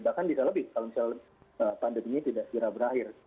bahkan bisa lebih kalau pandeminya tidak segera berakhir